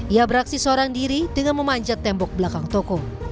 ia beraksi seorang diri dengan memanjat tembok belakang toko